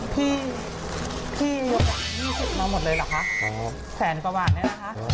พี่พี่มาหมดเลยเหรอคะแสนกว่าบาทเนี่ยนะคะ